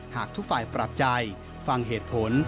หากทุกฝ่ายปรับใจฟังเหตุผล